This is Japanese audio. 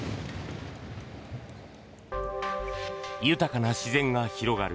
豊かな自然が広がる